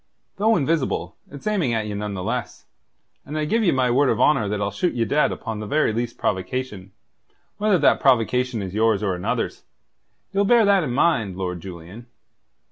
"Though invisible, it's aiming at ye none the less, and I give you my word of honour that I'll shoot ye dead upon the very least provocation, whether that provocation is yours or another's. Ye'll bear that in mind, Lord Julian.